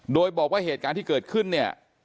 โดยบอกว่าเหตุการณ์ที่เกิดขึ้นเนี่ย